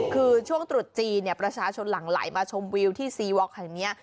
คือช่วงตรุษจีนเนี่ยประชาชนหลั่งไหลมาชมวิวที่ซีวอคแห่งนี้